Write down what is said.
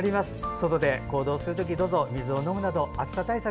外で行動する時水を飲むなど暑さ対策